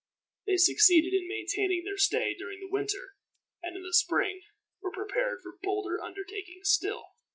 They succeeded in maintaining their stay during the winter, and in the spring were prepared for bolder undertakings still.